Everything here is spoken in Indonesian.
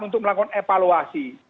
untuk melakukan evaluasi